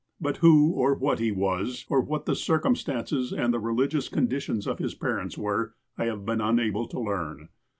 But who or what he was, or what the circumstances and the religious conditions of his parents were, I have been unable to learn.